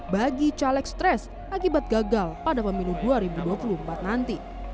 bagi caleg stres akibat gagal pada pemilu dua ribu dua puluh empat nanti